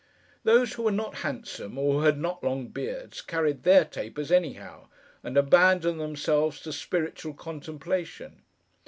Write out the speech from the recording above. Those who were not handsome, or who had not long beards, carried their tapers anyhow, and abandoned themselves to spiritual contemplation.